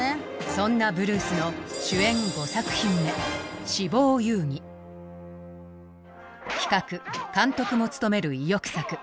そんなブルースの企画・監督も務める意欲作。